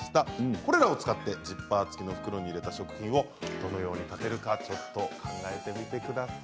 これらを使ってジッパー付きの袋に入れた食品をどのように立てるかちょっと考えてみてください。